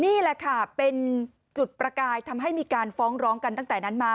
นี่แหละค่ะเป็นจุดประกายทำให้มีการฟ้องร้องกันตั้งแต่นั้นมา